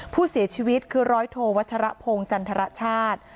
ผู้เสียชีวิตคือร้อยโทวัชรพงศ์จันทรชาติ